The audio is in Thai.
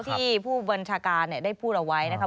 ที่ผู้บัญชาการได้พูดเอาไว้นะครับ